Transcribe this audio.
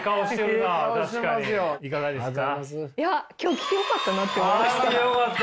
今日来てよかったなって思いました。